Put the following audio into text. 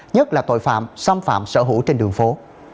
nhất là tội phạm xâm phạm sở hữu trên đường phố